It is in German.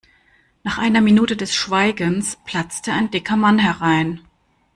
Nach einer Minute des Schweigens platzte ein dicker Mann herein.